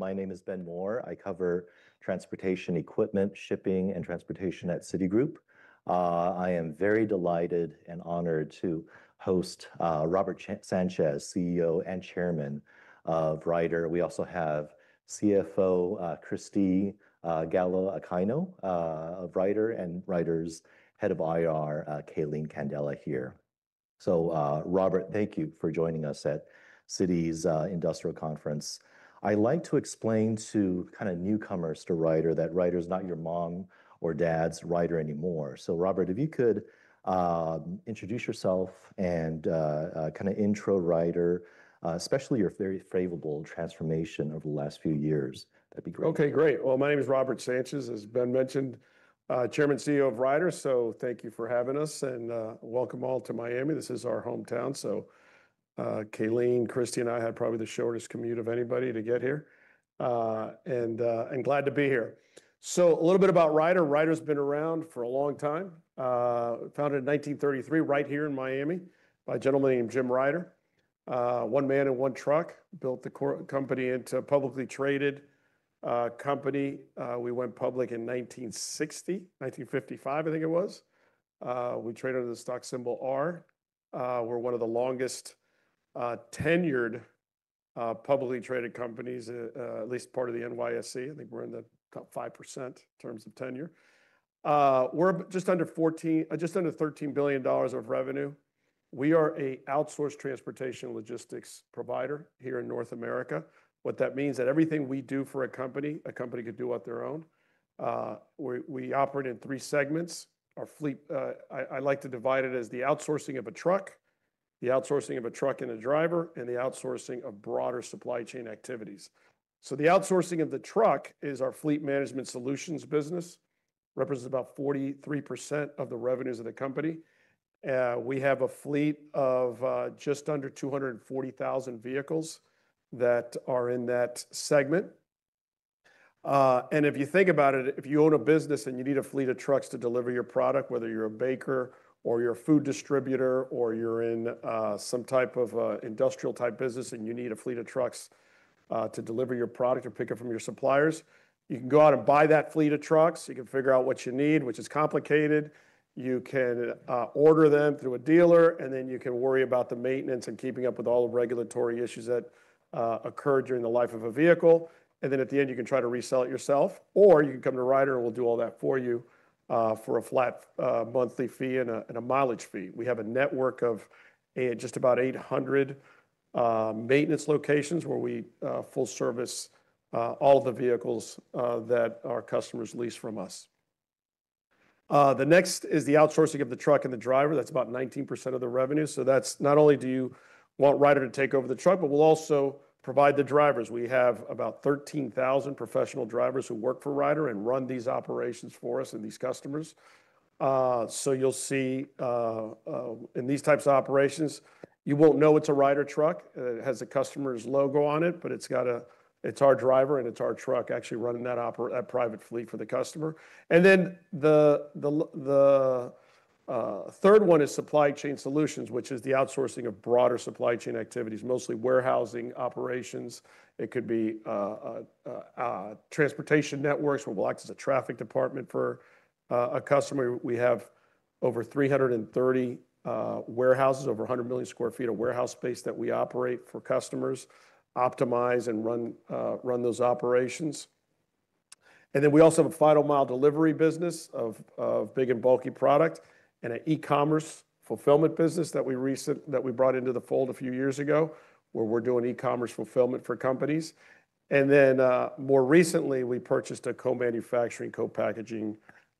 My name is Ben Mohr. I cover transportation equipment, shipping, and transportation at Citi. I am very delighted and honored to host Robert Sanchez, CEO and Chairman of Ryder. We also have CFO Cristina Gallo-Aquino of Ryder, and Ryder's Head of IR Calene Candela here. So, Robert, thank you for joining us at Citi's Industrial Conference. I'd like to explain to kinda newcomers to Ryder, that Ryder is not your mom or dad's Ryder anymore. So, Robert, if you could introduce yourself and kinda intro Ryder, especially your very favorable transformation over the last few years. That'd be great. Okay, great! Well, my name is Robert Sanchez, as Ben mentioned, Chairman, CEO of Ryder. So thank you for having us, and welcome all to Miami. This is our hometown. So, Calene, Cristina, and I had probably the shortest commute of anybody to get here. Glad to be here. So a little bit about Ryder. Ryder's been around for a long time, founded in 1933, right here in Miami, by a gentleman named Jim Ryder. One man and one truck, built the core company into a publicly traded company. We went public in 1960, 1955, I think it was. We trade under the stock symbol R. We're one of the longest tenured publicly traded companies, at least part of the NYSE. I think we're in the top 5% in terms of tenure. We're just under 14, just under $13 billion of revenue. We are a outsourced transportation logistics provider here in North America. What that means, that everything we do for a company, a company could do on their own. We operate in three segments. Our fleet, I like to divide it as the outsourcing of a truck, the outsourcing of a truck and a driver, and the outsourcing of broader supply chain activities. So the outsourcing of the truck is our Fleet Management Solutions business, represents about 43% of the revenues of the company. We have a fleet of just under 240,000 vehicles that are in that segment. And if you think about it, if you own a business and you need a fleet of trucks to deliver your product, whether you're a baker or you're a food distributor, or you're in some type of industrial-type business, and you need a fleet of trucks to deliver your product or pick it from your suppliers, you can go out and buy that fleet of trucks. You can figure out what you need, which is complicated. You can order them through a dealer, and then you can worry about the maintenance and keeping up with all the regulatory issues that occur during the life of a vehicle. And then at the end, you can try to resell it yourself, or you can come to Ryder, and we'll do all that for you, for a flat monthly fee and a mileage fee. We have a network of just about 800 maintenance locations, where we full service all the vehicles that our customers lease from us. The next is the outsourcing of the truck and the driver. That's about 19% of the revenue. So that's not only do you want Ryder to take over the truck, but we'll also provide the drivers. We have about 13,000 professional drivers who work for Ryder and run these operations for us and these customers. So you'll see in these types of operations, you won't know it's a Ryder truck. It has a customer's logo on it, but it's got, it's our driver, and it's our truck actually running that operation, private fleet for the customer. And then the third one is Supply Chain Solutions, which is the outsourcing of broader supply chain activities, mostly warehousing operations. It could be transportation networks, where we'll act as a traffic department for a customer. We have over 300 warehouses, over 100 million sq ft of warehouse space that we operate for customers, optimize and run, run those operations. And then we also have a final mile delivery business of big and bulky product, and an e-commerce fulfillment business that we brought into the fold a few years ago, where we're doing e-commerce fulfillment for companies. And then, more recently, we purchased a co-manufacturing, co-packaging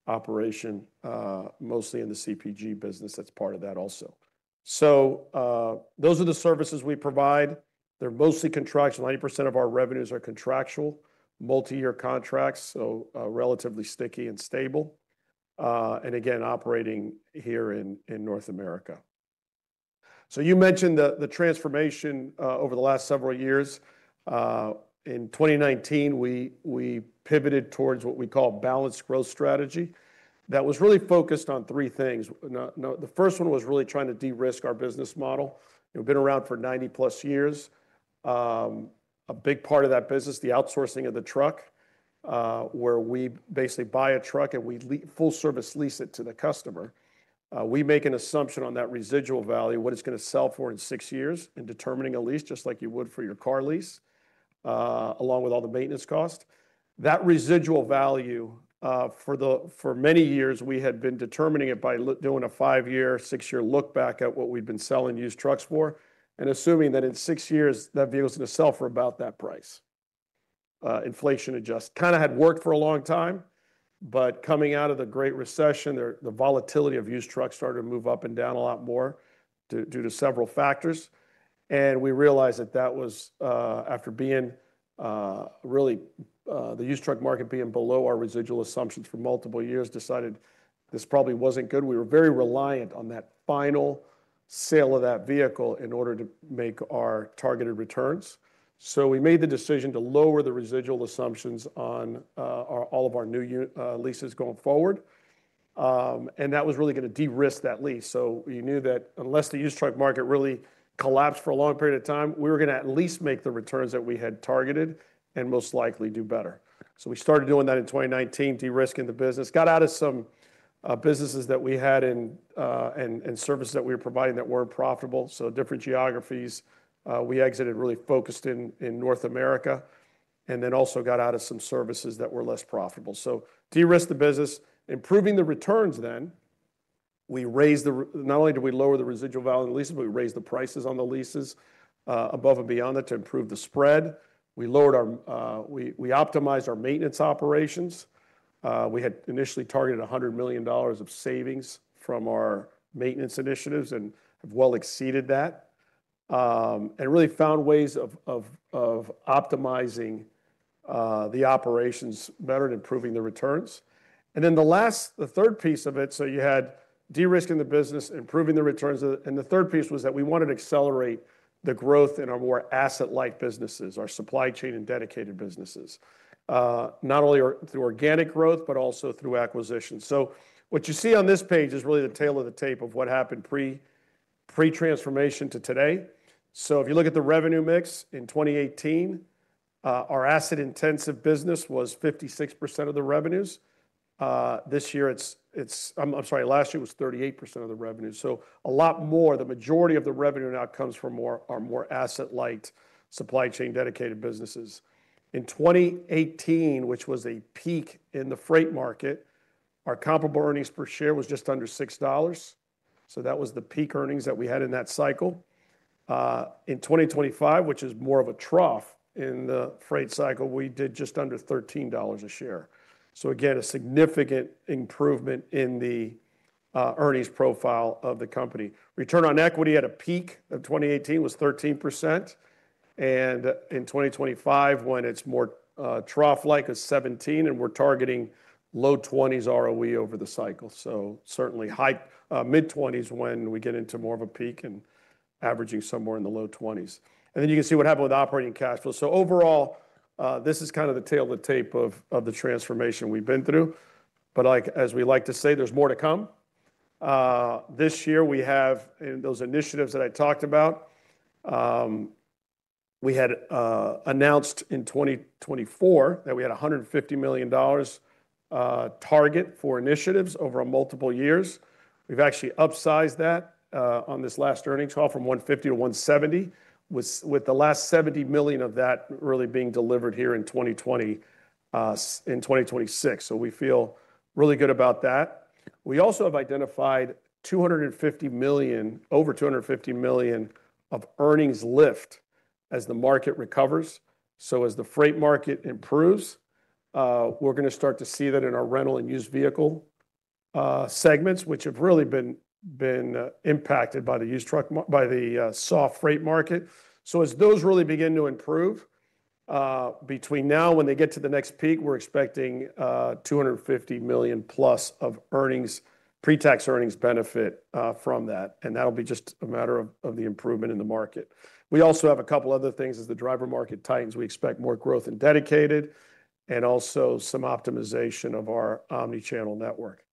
operation, mostly in the CPG business. That's part of that also. So, those are the services we provide. They're mostly contractual. 90% of our revenues are contractual, multi-year contracts, so, relatively sticky and stable, and again, operating here in North America. So you mentioned the transformation, over the last several years. In 2019, we pivoted towards what we call balanced growth strategy. That was really focused on three things. Now, the first one was really trying to de-risk our business model. We've been around for 90+ years. A big part of that business, the outsourcing of the truck, where we basically buy a truck, and we full service lease it to the customer. We make an assumption on that residual value, what it's going to sell for in six years, and determining a lease, just like you would for your car lease, along with all the maintenance costs. That residual value, for many years, we had been determining it by doing a five-year, six-year look back at what we'd been selling used trucks for, and assuming that in six years, that vehicle is going to sell for about that price. Inflation adjust kinda had worked for a long time, but coming out of the Great Recession, the volatility of used trucks started to move up and down a lot more due to several factors. And we realized that that was, after being really the used truck market being below our residual assumptions for multiple years, decided this probably wasn't good. We were very reliant on that final sale of that vehicle in order to make our targeted returns. So we made the decision to lower the residual assumptions on our all of our new leases going forward, and that was really going to de-risk that lease. So we knew that unless the used truck market really collapsed for a long period of time, we were going to at least make the returns that we had targeted and most likely do better. So we started doing that in 2019, de-risking the business. Got out of some businesses that we had and services that we were providing that weren't profitable. So different geographies. We exited, really focused in North America, and then also got out of some services that were less profitable. To de-risk the business, improving the returns, we raised the r-- not only did we lower the residual value of the leases, but we raised the prices on the leases above and beyond that to improve the spread. We lowered our, we optimized our maintenance operations. We had initially targeted $100 million of savings from our maintenance initiatives and have well exceeded that. We really found ways of optimizing the operations better and improving the returns. The last, the third piece of it, so you had de-risking the business, improving the returns, and the third piece was that we wanted to accelerate the growth in our more asset-light businesses, our supply chain and dedicated businesses. Not only through organic growth, but also through acquisition. So what you see on this page is really the tale of the tape of what happened pre-transformation to today. So if you look at the revenue mix in 2018, our asset-intensive business was 56% of the revenues. This year, I'm sorry, last year it was 38% of the revenue. So a lot more, the majority of the revenue now comes from more, our more asset-light supply chain, dedicated businesses. In 2018, which was a peak in the freight market, our comparable earnings per share was just under $6. So that was the peak earnings that we had in that cycle. In 2025, which is more of a trough in the freight cycle, we did just under $13 a share. So again, a significant improvement in the, earnings profile of the company. Return on equity at a peak of 2018 was 13%, and in 2025, when it's more trough-like, is 17, and we're targeting low twenties ROE over the cycle. So certainly high mid-twenties when we get into more of a peak and averaging somewhere in the low twenties. And then you can see what happened with operating cash flow. So overall, this is kind of the tale of the tape of the transformation we've been through. But like, as we like to say, there's more to come. This year, we have, and those initiatives that I talked about, we had announced in 2024 that we had a $150 million target for initiatives over multiple years. We've actually upsized that on this last earnings call from 150 to 170, with the last $70 million of that really being delivered here in 2026. So we feel really good about that. We also have identified $250 million, over $250 million of earnings lift as the market recovers. So as the freight market improves, we're going to start to see that in our rental and used vehicle segments, which have really been impacted by the soft freight market. So as those really begin to improve, between now when they get to the next peak, we're expecting $250 million plus of earnings, pre-tax earnings benefit from that, and that'll be just a matter of the improvement in the market. We also have a couple other things. As the driver market tightens, we expect more growth in dedicated and also some optimization of our omni-channel network.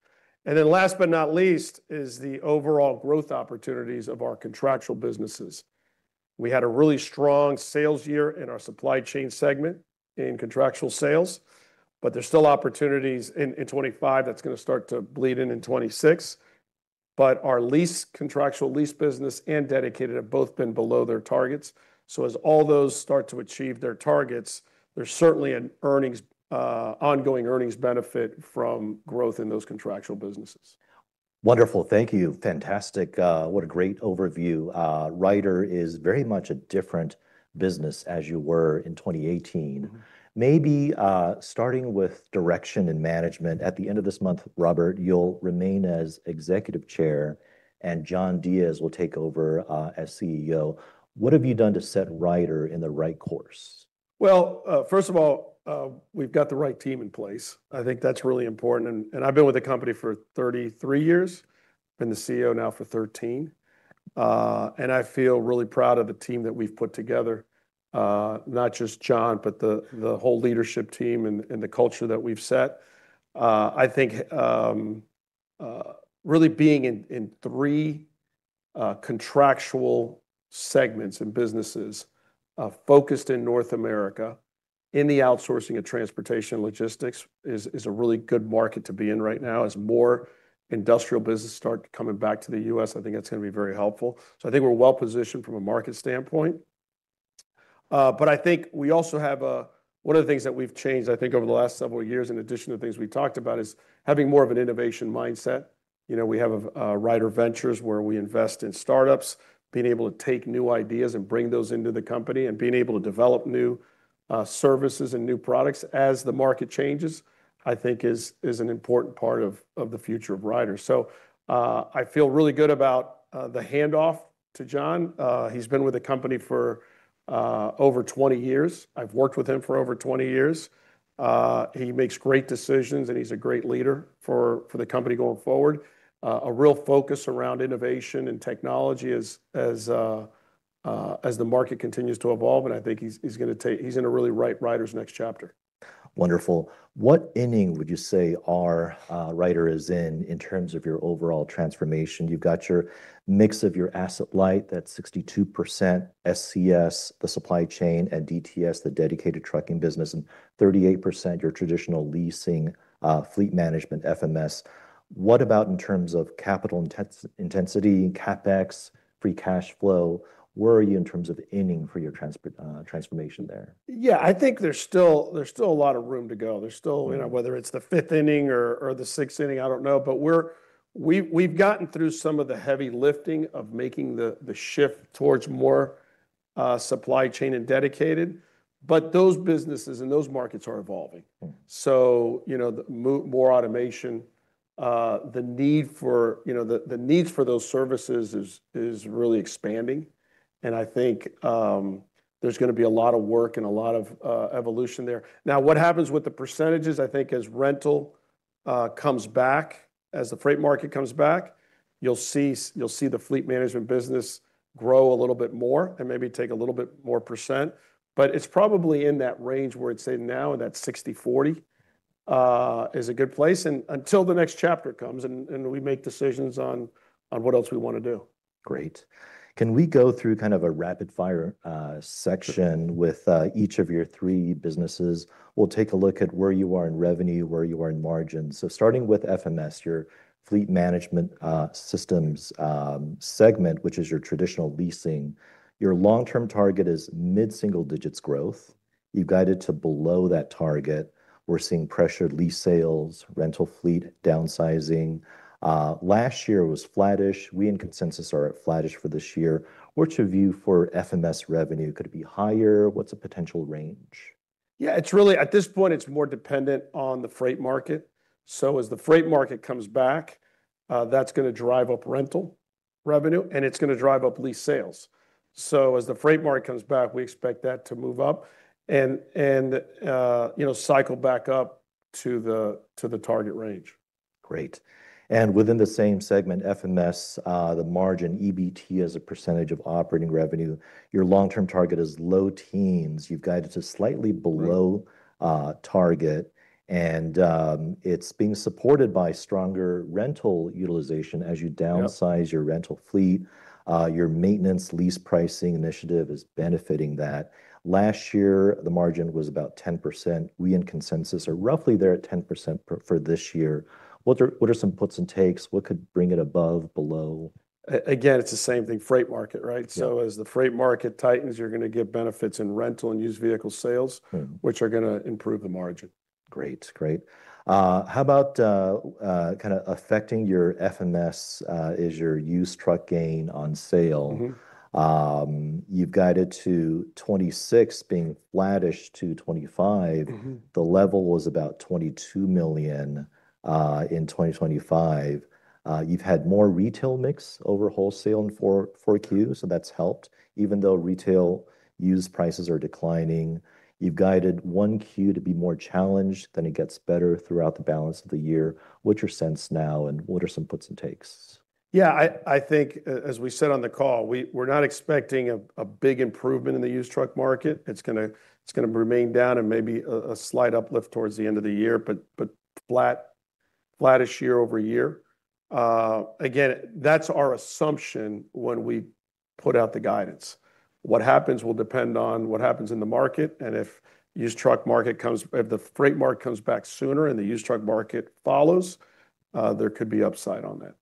And then last but not least, is the overall growth opportunities of our contractual businesses. We had a really strong sales year in our supply chain segment in contractual sales, but there's still opportunities in 2025 that's going to start to bleed in in 2026. But our lease, contractual lease business and dedicated have both been below their targets. So as all those start to achieve their targets, there's certainly an earnings ongoing earnings benefit from growth in those contractual businesses. Wonderful. Thank you. Fantastic, what a great overview. Ryder is very much a different business as you were in 2018. Maybe, starting with direction and management, at the end of this month, Robert, you'll remain as Executive Chair, and John Diez will take over, as CEO. What have you done to set Ryder in the right course? Well, first of all, we've got the right team in place. I think that's really important, and I've been with the company for 33 years, been the CEO now for 13. And I feel really proud of the team that we've put together. Not just John, but the whole leadership team and the culture that we've set. I think really being in 3 contractual segments and businesses, focused in North America, in the outsourcing of transportation and logistics, is a really good market to be in right now. As more industrial business start coming back to the U.S., I think that's gonna be very helpful. So I think we're well-positioned from a market standpoint. But I think we also have a... One of the things that we've changed, I think, over the last several years, in addition to things we talked about, is having more of an innovation mindset. You know, we have a Ryder Ventures, where we invest in startups. Being able to take new ideas and bring those into the company and being able to develop new services and new products as the market changes, I think is an important part of the future of Ryder. So, I feel really good about the handoff to John. He's been with the company for over 20 years. I've worked with him for over 20 years. He makes great decisions, and he's a great leader for the company going forward. A real focus around innovation and technology as... As the market continues to evolve, and I think he's gonna take he's in a really right Ryder's next chapter. Wonderful. What inning would you say our Ryder is in, in terms of your overall transformation? You've got your mix of your asset light, that's 62% SCS, the supply chain, and DTS, the dedicated trucking business, and 38%, your traditional leasing, fleet management, FMS. What about in terms of capital intensity, CapEx, free cash flow? Where are you in terms of inning for your transport transformation there? Yeah, I think there's still, there's still a lot of room to go. There's still. You know, whether it's the fifth inning or the sixth inning, I don't know. But we've gotten through some of the heavy lifting of making the shift towards more supply chain and dedicated, but those businesses and those markets are evolving. So, you know, the more automation, the need for—you know, the needs for those services is really expanding. And I think, there's gonna be a lot of work and a lot of evolution there. Now, what happens with the percentages? I think as rental comes back, as the freight market comes back, you'll see, you'll see the fleet management business grow a little bit more and maybe take a little bit more percent. But it's probably in that range where it's say now, in that 60/40, is a good place, and until the next chapter comes and we make decisions on what else we want to do. Great. Can we go through kind of a rapid-fire section with each of your three businesses? We'll take a look at where you are in revenue, where you are in margins. So starting with FMS, your fleet management systems segment, which is your traditional leasing, your long-term target is mid-single-digits growth. You've guided to below that target. We're seeing pressured lease sales, rental fleet downsizing. Last year was flattish. We, in consensus, are at flattish for this year. What's your view for FMS revenue? Could it be higher? What's the potential range? Yeah, it's really at this point, it's more dependent on the freight market. So as the freight market comes back, that's gonna drive up rental revenue, and it's gonna drive up lease sales. So as the freight market comes back, we expect that to move up and, and, you know, cycle back up to the, to the target range. Great. And within the same segment, FMS, the margin, EBT, as a percentage of operating revenue, your long-term target is low teens. You've guided to slightly below target, and it's being supported by stronger rental utilization as you, Yep Downsize your rental fleet. Your maintenance lease pricing initiative is benefiting that. Last year, the margin was about 10%. We, in consensus, are roughly there at 10% for this year. What are, what are some puts and takes? What could bring it above, below? Again, it's the same thing, freight market, right? Yep. So as the freight market tightens, you're gonna get benefits in rental and used vehicle sales which are gonna improve the margin. Great, great. How about kind of affecting your FMS, is your used truck gain on sale? You've guided to 2026, being flattish to 2025. The level was about $22 million in 2025. You've had more retail mix over wholesale in fourth Q, so that's helped. Even though retail used prices are declining, you've guided one Q to be more challenged, then it gets better throughout the balance of the year. What's your sense now, and what are some puts and takes? Yeah, I think as we said on the call, we're not expecting a big improvement in the used truck market. It's gonna remain down and maybe a slight uplift towards the end of the year, but flat, flattish year-over-year. Again, that's our assumption when we put out the guidance. What happens will depend on what happens in the market and if the freight market comes back sooner and the used truck market follows, there could be upside on that.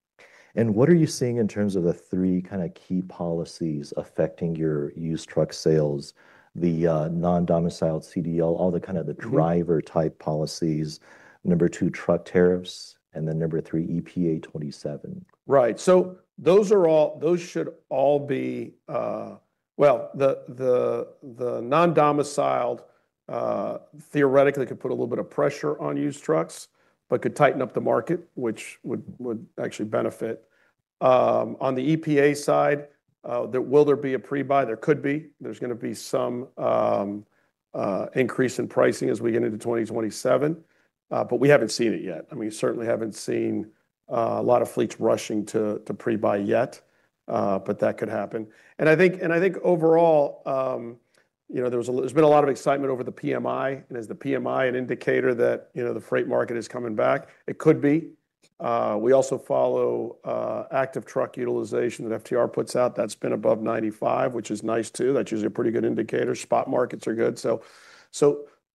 What are you seeing in terms of the three kind of key policies affecting your used truck sales? The non-domiciled CDL, all the kind of the driver-type policies. Number two, truck tariffs, and then number three, EPA '27. Right. So those should all be. Well, the non-domiciled, theoretically, could put a little bit of pressure on used trucks but could tighten up the market, which would actually benefit. On the EPA side, there will there be a pre-buy? There could be. There's gonna be some increase in pricing as we get into 2027, but we haven't seen it yet. I mean, we certainly haven't seen a lot of fleets rushing to pre-buy yet, but that could happen. And I think overall, you know, there was a little there's been a lot of excitement over the PMI, and is the PMI an indicator that, you know, the freight market is coming back? It could be. We also follow active truck utilization that FTR puts out. That's been above 95, which is nice, too. That's usually a pretty good indicator. Spot markets are good. So,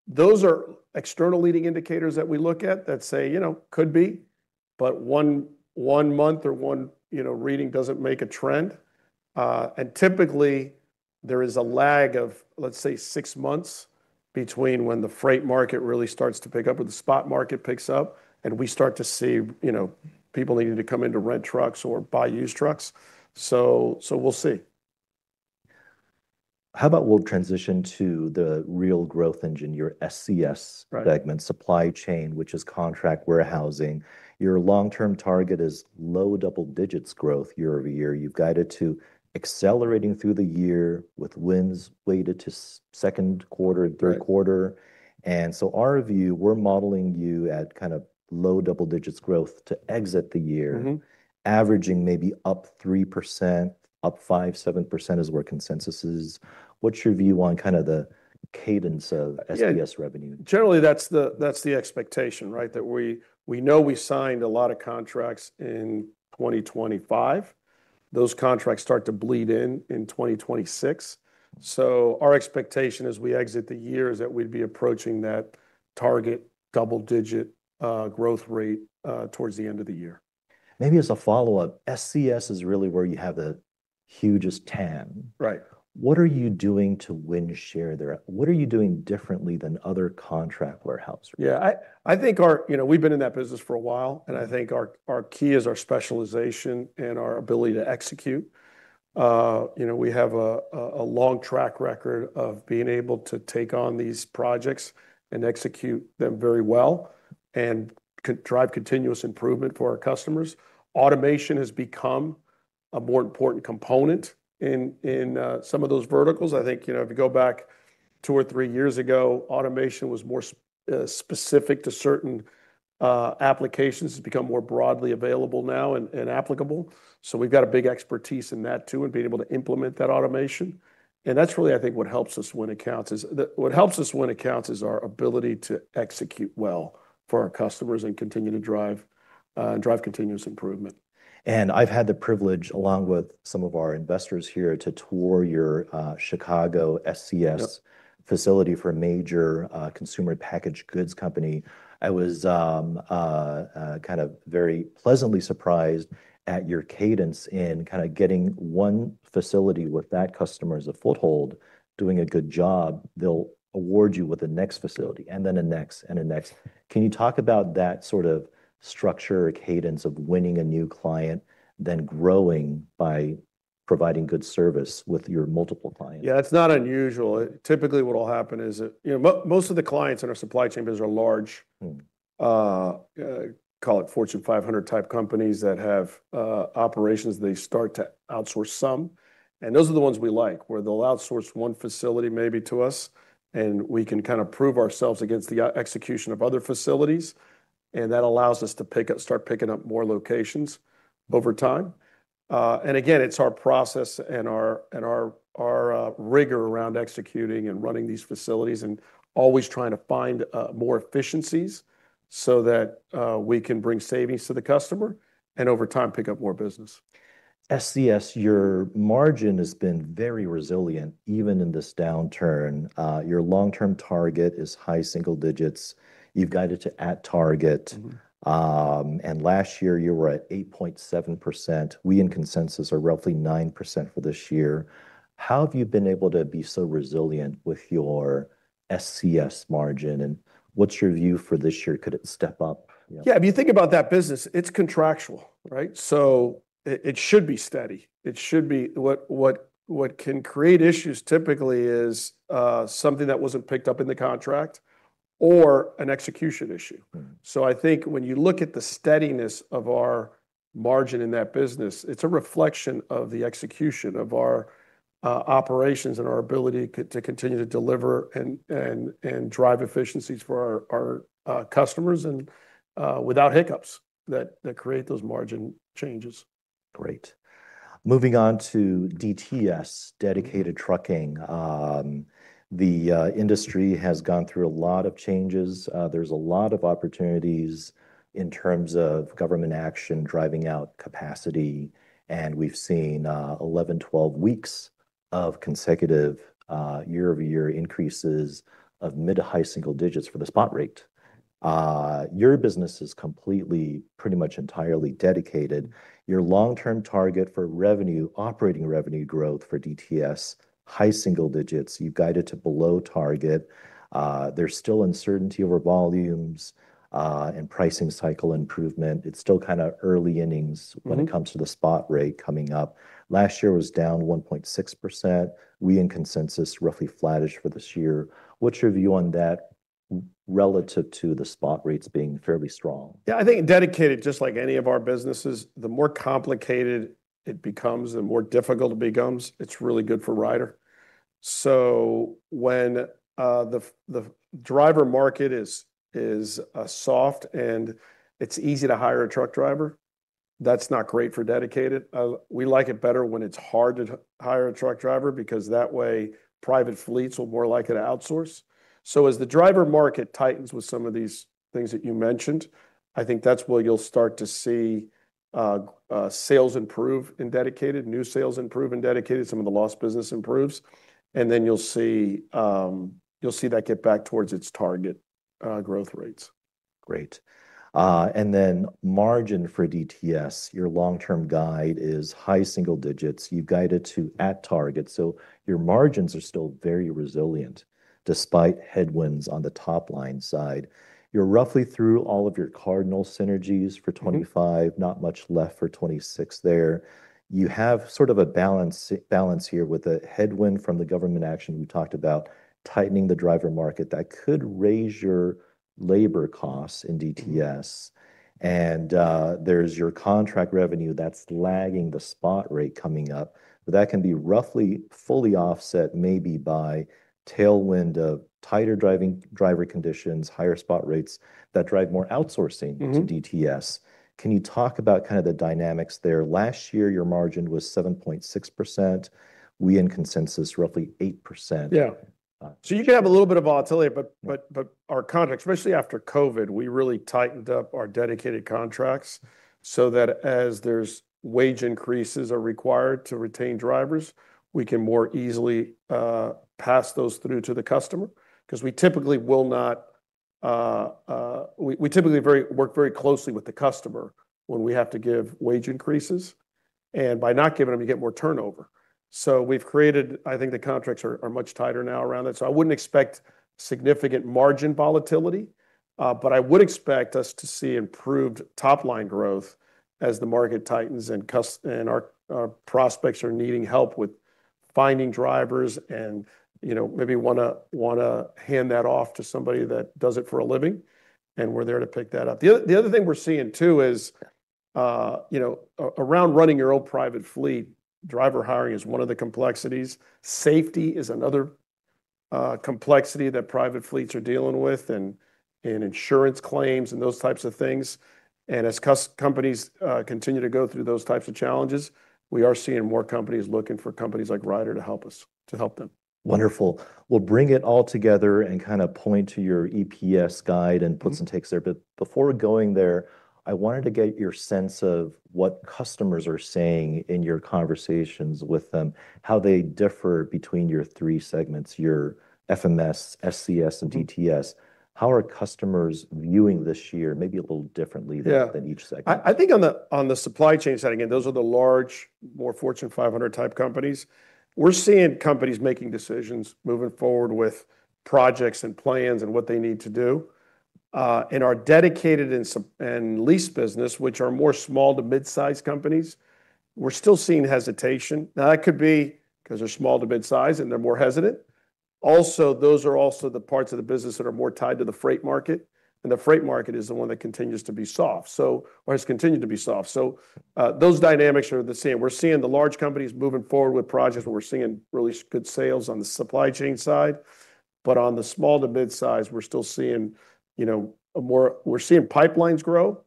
so those are external leading indicators that we look at that say, you know, could be, but one month or one, you know, reading doesn't make a trend. And typically, there is a lag of, let's say, 6 months between when the freight market really starts to pick up or the spot market picks up, and we start to see, you know, people needing to come in to rent trucks or buy used trucks. So, we'll see. How about we'll transition to the real growth engine, your SCS. Right. Segment, supply chain, which is contract warehousing. Your long-term target is low double digits growth year-over-year. You've guided to accelerating through the year with wins weighted to second quarter and third quarter. Right. So our view, we're modeling you at kind of low double digits growth to exit the year averaging maybe up 3%, up 5%-7% is where consensus is. What's your view on kind of the cadence of. SCS revenue? Generally, that's the, that's the expectation, right? That we know we signed a lot of contracts in 2025. Those contracts start to bleed in in 2026. So our expectation as we exit the year is that we'd be approaching that target double-digit growth rate towards the end of the year. Maybe as a follow-up, SCS is really where you have the hugest TAM. Right. What are you doing to win share there? What are you doing differently than other contract warehouse? Yeah, I think our you know, we've been in that business for a while, and I think our key is our specialization and our ability to execute. You know, we have a long track record of being able to take on these projects and execute them very well and drive continuous improvement for our customers. Automation has become a more important component in some of those verticals. I think, you know, if you go back two or three years ago, automation was more specific to certain applications. It's become more broadly available now and applicable. So we've got a big expertise in that, too, and being able to implement that automation, and that's really, I think, what helps us when it counts. What helps us when it counts is our ability to execute well for our customers and continue to drive, drive continuous improvement. I've had the privilege, along with some of our investors here, to tour your Chicago SCS. Yep. Facility for a major consumer packaged goods company. I was kind of very pleasantly surprised at your cadence in kind of getting one facility with that customer as a foothold, doing a good job. They'll award you with the next facility, and then the next, and the next. Can you talk about that sort of structure or cadence of winning a new client, then growing by providing good service with your multiple clients? Yeah, it's not unusual. Typically, what will happen is that, you know, most of the clients in our supply chain business are large. Call it Fortune 500 type companies that have operations. They start to outsource some, and those are the ones we like. Where they'll outsource one facility maybe to us, and we can kind of prove ourselves against the execution of other facilities, and that allows us to pick up, start picking up more locations over time. And again, it's our process and our rigor around executing and running these facilities and always trying to find more efficiencies so that we can bring savings to the customer and, over time, pick up more business. SCS, your margin has been very resilient, even in this downturn. Your long-term target is high single digits. You've guided to at target. Last year, you were at 8.7%. We, in consensus, are roughly 9% for this year. How have you been able to be so resilient with your SCS margin, and what's your view for this year? Could it step up? Yeah, if you think about that business, it's contractual, right? So it should be steady. It should be... What, what, what can create issues typically is something that wasn't picked up in the contract or an execution issue. So I think when you look at the steadiness of our margin in that business, it's a reflection of the execution of our operations and our ability to continue to deliver and drive efficiencies for our customers, and without hiccups that create those margin changes. Great. Moving on to DTS, dedicated trucking. The industry has gone through a lot of changes. There's a lot of opportunities in terms of government action, driving out capacity, and we've seen 11, 12 weeks of consecutive year-over-year increases of mid-to-high single digits for the spot rate. Your business is completely, pretty much entirely dedicated. Your long-term target for revenue, operating revenue growth for DTS, high single digits, you've guided to below target. There's still uncertainty over volumes and pricing cycle improvement. It's still kind of early innings. Mm-hmm. When it comes to the spot rate coming up. Last year was down 1.6%. We, in consensus, roughly flattish for this year. What's your view on that relative to the spot rates being fairly strong? Yeah, I think dedicated, just like any of our businesses, the more complicated it becomes, the more difficult it becomes, it's really good for Ryder. So when the driver market is soft and it's easy to hire a truck driver, that's not great for dedicated. We like it better when it's hard to hire a truck driver because that way, private fleets are more likely to outsource. So as the driver market tightens with some of these things that you mentioned, I think that's where you'll start to see sales improve in dedicated, new sales improve in dedicated, some of the lost business improves, and then you'll see that get back towards its target growth rates. Great. And then margin for DTS, your long-term guide is high single digits. You've guided to at target, so your margins are still very resilient despite headwinds on the top-line side. You're roughly through all of your cardinal synergies for 2025, not much left for 2026 there. You have sort of a balance here with a headwind from the government action. We talked about tightening the driver market. That could raise your labor costs in DTS, and there's your contract revenue that's lagging the spot rate coming up. But that can be roughly fully offset, maybe by tailwind of tighter driver conditions, higher spot rates that drive more outsourcing. Mm-hmm. To DTS. Can you talk about kind of the dynamics there? Last year, your margin was 7.6%. We, in consensus, roughly 8%. Yeah. So you can have a little bit of volatility, but our contracts, especially after COVID, we really tightened up our dedicated contracts so that as there's wage increases are required to retain drivers, we can more easily pass those through to the customer, because we typically work very closely with the customer when we have to give wage increases, and by not giving them, you get more turnover. So we've created. I think the contracts are much tighter now around that, so I wouldn't expect significant margin volatility, but I would expect us to see improved top-line growth as the market tightens, and customers and our prospects are needing help with finding drivers and, you know, maybe want to hand that off to somebody that does it for a living, and we're there to pick that up. The other thing we're seeing, too, is, you know, around running your own private fleet, driver hiring is one of the complexities. Safety is another complexity that private fleets are dealing with, and insurance claims and those types of things. And as companies continue to go through those types of challenges, we are seeing more companies looking for companies like Ryder to help them. Wonderful. We'll bring it all together and kind of point to your EPS guide and puts and takes there. But before going there, I wanted to get your sense of what customers are saying in your conversations with them, how they differ between your three segments, your FMS, SCS, and DTS. How are customers viewing this year? Maybe a little differently than. Yeah Than each segment. I think on the supply chain side, again, those are the large, more Fortune 500 type companies. We're seeing companies making decisions, moving forward with projects and plans and what they need to do. And our dedicated and supply and lease business, which are more small to mid-sized companies, we're still seeing hesitation. Now, that could be because they're small to mid-size, and they're more hesitant. Also, those are also the parts of the business that are more tied to the freight market, and the freight market is the one that continues to be soft, so or has continued to be soft. So, those dynamics are the same. We're seeing the large companies moving forward with projects, and we're seeing really good sales on the supply chain side, but on the small to mid-size, we're still seeing, you know, we're seeing pipelines grow,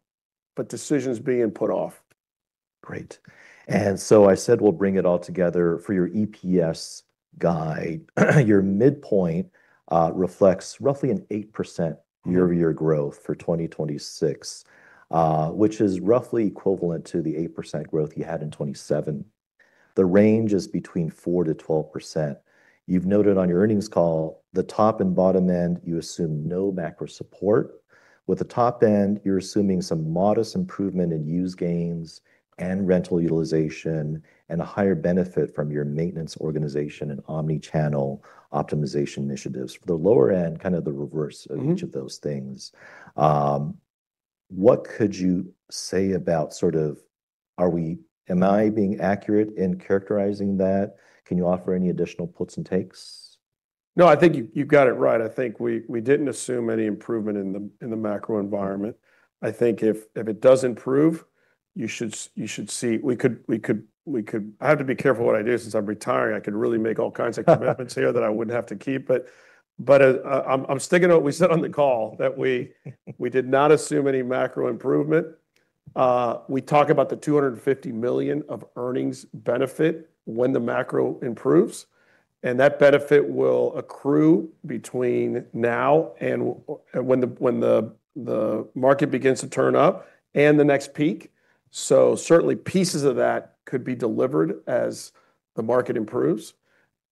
but decisions being put off. Great. And so I said we'll bring it all together for your EPS guide. Your midpoint reflects roughly an 8% year-over-year growth for 2026, which is roughly equivalent to the 8% growth you had in 2027. The range is between 4%-12%. You've noted on your earnings call, the top and bottom end, you assume no macro support. With the top end, you're assuming some modest improvement in used gains and rental utilization and a higher benefit from your maintenance organization and omni-channel optimization initiatives. For the lower end, kind of the reverse. Mm-hmm Of each of those things. What could you say about sort of, am I being accurate in characterizing that? Can you offer any additional puts and takes? No, I think you, you've got it right. I think we didn't assume any improvement in the macro environment. I think if it does improve, you should see we could. I have to be careful what I do since I'm retiring. I could really make all kinds of commitments here that I wouldn't have to keep. But I'm sticking to what we said on the call, that we did not assume any macro improvement. We talk about the $250 million of earnings benefit when the macro improves, and that benefit will accrue between now and when the market begins to turn up and the next peak. So certainly, pieces of that could be delivered as the market improves,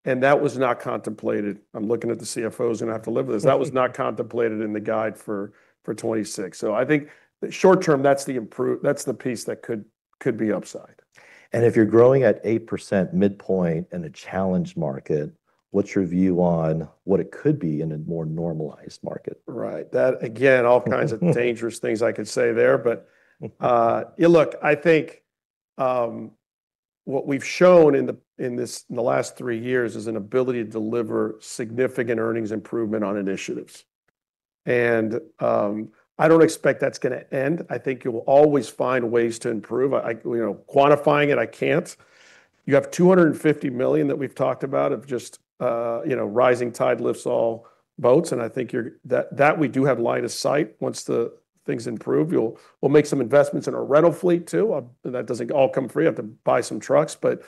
and that was not contemplated. I'm looking at the CFO, who's gonna have to live with this. That was not contemplated in the guide for 2026. So I think short term, that's the piece that could be upside. If you're growing at 8% midpoint in a challenged market, what's your view on what it could be in a more normalized market? Right. That, again, all kinds of dangerous things I could say there. But, yeah, look, I think what we've shown in the last three years is an ability to deliver significant earnings improvement on initiatives. And, I don't expect that's gonna end. I think you will always find ways to improve. I, you know, quantifying it, I can't. You have $250 million that we've talked about of just, you know, rising tide lifts all boats, and I think that we do have line of sight. Once the things improve, we'll make some investments in our rental fleet, too. That doesn't all come free. I have to buy some trucks, but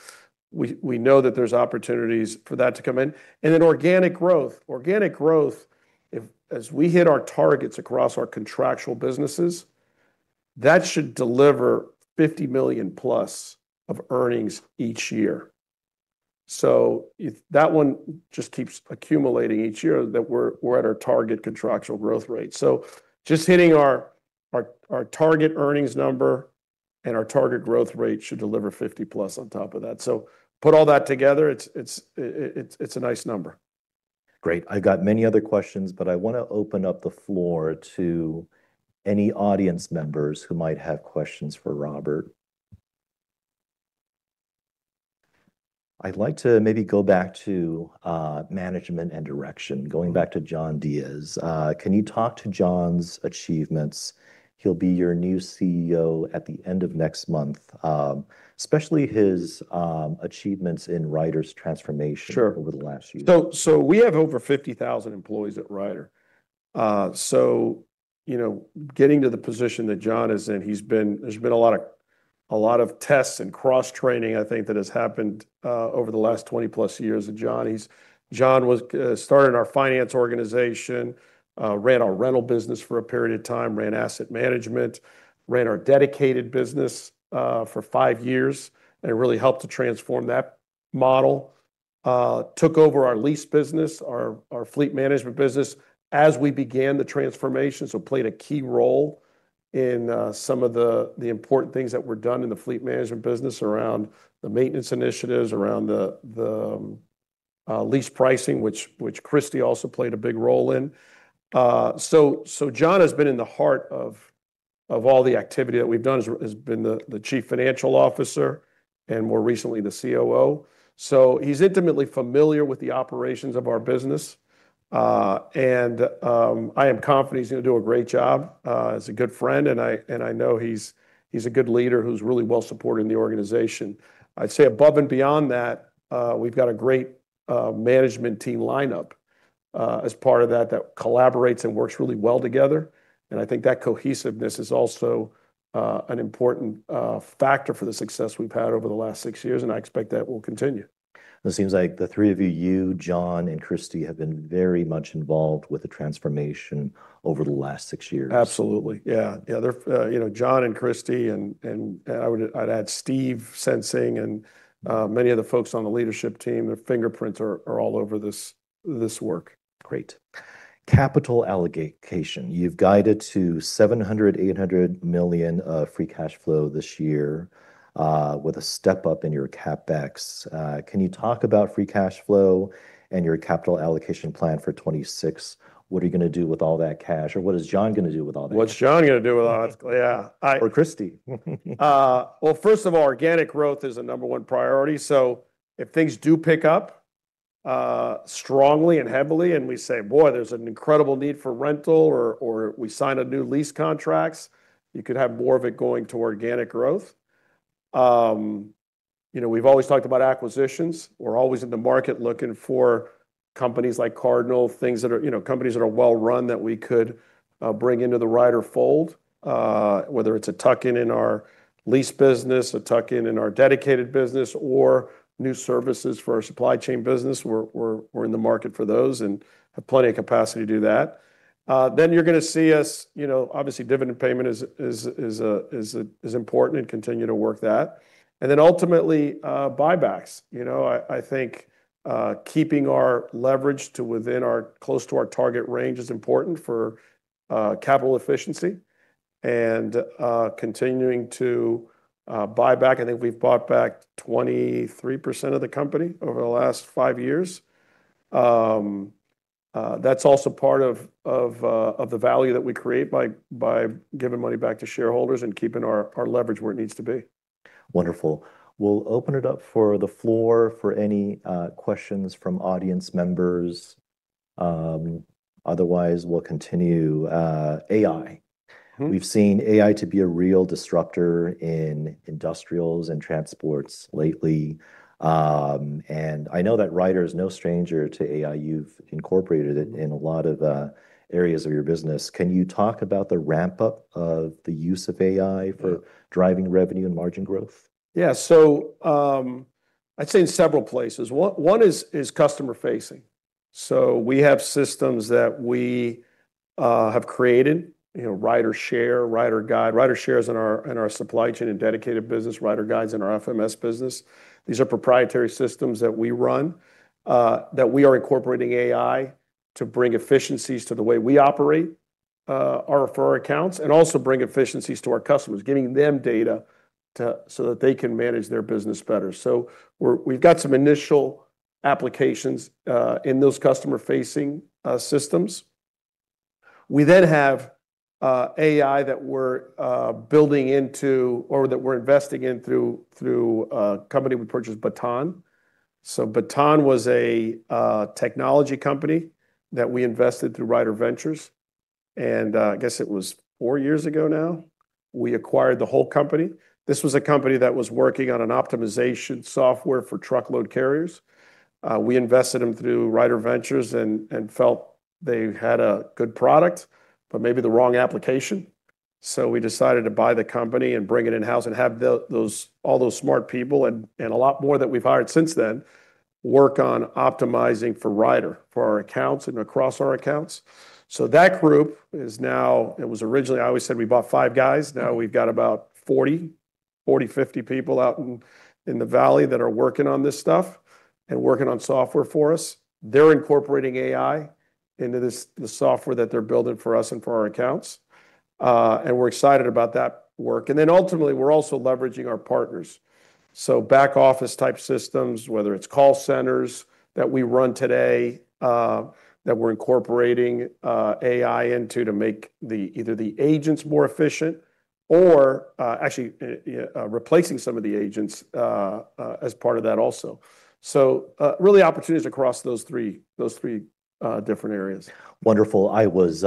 we know that there's opportunities for that to come in. And then organic growth. Organic growth, if as we hit our targets across our contractual businesses, that should deliver $50 million plus of earnings each year... So if that one just keeps accumulating each year, that we're at our target contractual growth rate. So just hitting our target earnings number and our target growth rate should deliver $50 plus on top of that. So put all that together, it's a nice number. Great. I've got many other questions, but I want to open up the floor to any audience members who might have questions for Robert. I'd like to maybe go back to, management and direction. Going back to John Diez. Can you talk to John's achievements? He'll be your new CEO at the end of next month. Especially his achievements in Ryder's transformation. Sure. Over the last few years. We have over 50,000 employees at Ryder. You know, getting to the position that John is in, there's been a lot of tests and cross-training I think that has happened over the last 20-plus years of John. John started our finance organization, ran our rental business for a period of time, ran asset management, ran our dedicated business for five years, and it really helped to transform that model. Took over our lease business, our fleet management business as we began the transformation. Played a key role in some of the important things that were done in the fleet management business around the maintenance initiatives, around the lease pricing, which Christie also played a big role in. So John has been in the heart of all the activity that we've done, as he's been the Chief Financial Officer and more recently, the COO. So he's intimately familiar with the operations of our business. And I am confident he's gonna do a great job. He's a good friend, and I know he's a good leader who's really well-supported in the organization. I'd say above and beyond that, we've got a great management team lineup as part of that that collaborates and works really well together, and I think that cohesiveness is also an important factor for the success we've had over the last six years, and I expect that will continue. It seems like the three of you, you, John, and Cristina, have been very much involved with the transformation over the last six years. Absolutely, yeah. Yeah, they're, you know, John and Christie, and I'd add Steve Sensing and many of the folks on the leadership team, their fingerprints are all over this work. Great. Capital allocation. You've guided to $700-$800 million of free cash flow this year, with a step up in your CapEx. Can you talk about free cash flow and your capital allocation plan for 2026? What are you gonna do with all that cash or what is John gonna do with all that? What's John gonna do with all that? Yeah. Or Christie? Well, first of all, organic growth is a number one priority. So if things do pick up strongly and heavily, and we say, "Boy, there's an incredible need for rental," or we sign a new lease contracts, you could have more of it going to organic growth. You know, we've always talked about acquisitions. We're always in the market looking for companies like Cardinal, things that are, you know, companies that are well run, that we could bring into the Ryder fold. Whether it's a tuck in, in our lease business, a tuck in, in our dedicated business or new services for our supply chain business, we're in the market for those and have plenty of capacity to do that. Then you're gonna see us, you know, obviously, dividend payment is important and continue to work that. And then ultimately, buybacks. You know, I think, keeping our leverage to within our, close to our target range is important for, capital efficiency and, continuing to, buy back. I think we've bought back 23% of the company over the last five years. That's also part of, the value that we create by, giving money back to shareholders and keeping our, leverage where it needs to be. Wonderful. We'll open it up for the floor for any questions from audience members. Otherwise, we'll continue, AI. Mm-hmm. We've seen AI to be a real disruptor in industrials and transports lately. And I know that Ryder is no stranger to AI. You've incorporated it in a lot of areas of your business. Can you talk about the ramp-up of the use of AI for. Yeah Driving revenue and margin growth? Yeah. So, I'd say in several places. One is customer-facing. So we have systems that we have created, you know, RyderShare, RyderGuide. RyderShare is in our supply chain and dedicated business, RyderGuide is in our FMS business. These are proprietary systems that we run that we are incorporating AI to bring efficiencies to the way we operate our accounts, and also bring efficiencies to our customers, getting them data so that they can manage their business better. So we've got some initial applications in those customer-facing systems. We then have AI that we're building into or that we're investing in through a company we purchased, Baton. So Baton was a technology company that we invested through Ryder Ventures, and I guess it was four years ago now, we acquired the whole company. This was a company that was working on an optimization software for truckload carriers. We invested them through Ryder Ventures and felt they had a good product, but maybe the wrong application. So we decided to buy the company and bring it in-house and have those all those smart people, and a lot more that we've hired since then, work on optimizing for Ryder, for our accounts and across our accounts. So that group is now... It was originally, I always said we bought five guys, now we've got about 40... 40-50 people out in the valley that are working on this stuff and working on software for us. They're incorporating AI into this, the software that they're building for us and for our accounts, and we're excited about that work. And then ultimately, we're also leveraging our partners. So back office type systems, whether it's call centers that we run today, that we're incorporating AI into to make either the agents more efficient or, actually, replacing some of the agents, as part of that also. So, really opportunities across those three, those three, different areas. Wonderful. I was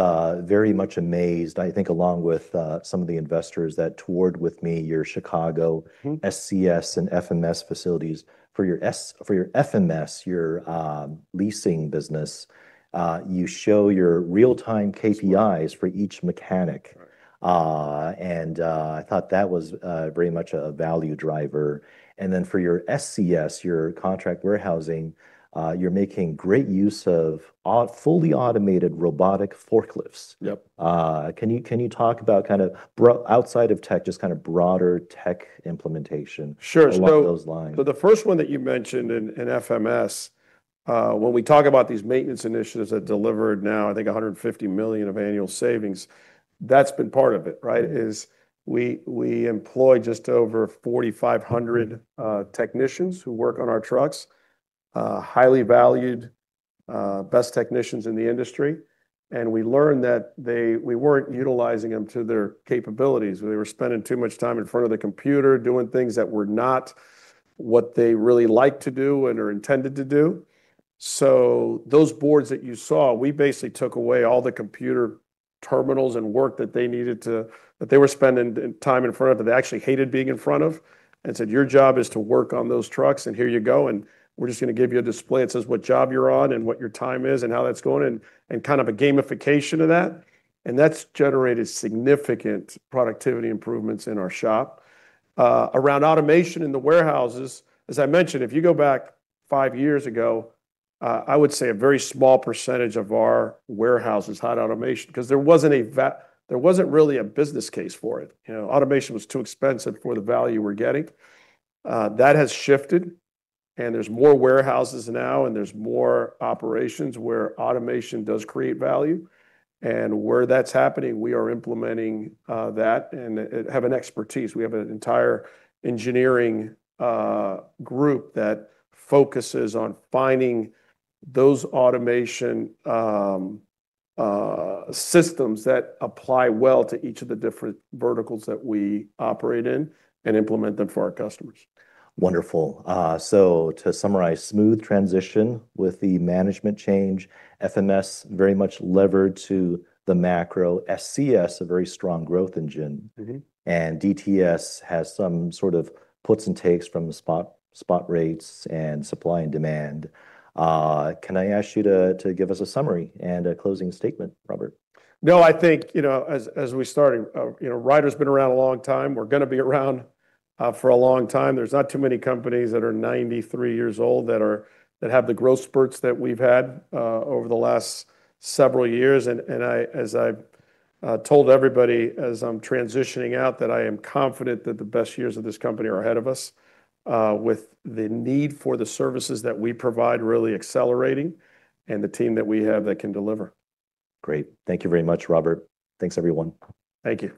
very much amazed, I think, along with some of the investors that toured with me, your Chicago- Mm-hmm. SCS and FMS facilities. For your FMS, your leasing business, you show your real-time KPIs for each mechanic. Right. And I thought that was very much a value driver. And then for your SCS, your contract warehousing, you're making great use of a fully automated robotic forklifts. Yep. Can you, can you talk about kind of broader outside of tech, just kind of broader tech implementation? Sure. Along those lines. So the first one that you mentioned in FMS, when we talk about these maintenance initiatives that delivered now, I think, $150 million of annual savings, that's been part of it, right? We employ just over 4,500 technicians who work on our trucks, highly valued, best technicians in the industry. And we learned that we weren't utilizing them to their capabilities. They were spending too much time in front of the computer, doing things that were not what they really like to do and are intended to do. So those boards that you saw, we basically took away all the computer terminals and work that they were spending time in front of, that they actually hated being in front of, and said, "Your job is to work on those trucks, and here you go. We're just going to give you a display that says what job you're on and what your time is and how that's going," and kind of a gamification of that. And that's generated significant productivity improvements in our shop. Around automation in the warehouses, as I mentioned, if you go back five years ago, I would say a very small percentage of our warehouses had automation, 'cause there wasn't really a business case for it. You know, automation was too expensive for the value we're getting. That has shifted, and there's more warehouses now, and there's more operations where automation does create value. And where that's happening, we are implementing that and have an expertise. We have an entire engineering group that focuses on finding those automation systems that apply well to each of the different verticals that we operate in and implement them for our customers. Wonderful. So to summarize, smooth transition with the management change, FMS very much levered to the macro. SCS, a very strong growth engine. DTS has some sort of puts and takes from the spot, spot rates and supply and demand. Can I ask you to give us a summary and a closing statement, Robert? No, I think, you know, as, as we started, you know, Ryder's been around a long time. We're going to be around for a long time. There's not too many companies that are 93 years old that have the growth spurts that we've had over the last several years. And I, as I told everybody, as I'm transitioning out, that I am confident that the best years of this company are ahead of us with the need for the services that we provide really accelerating and the team that we have that can deliver. Great. Thank you very much, Robert. Thanks, everyone. Thank you.